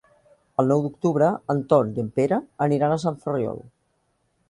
El nou d'octubre en Ton i en Pere aniran a Sant Ferriol.